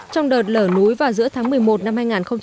trong đợt lở núi vào giữa tháng một mươi một năm hai nghìn một mươi bảy